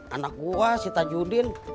anak gue si tajudin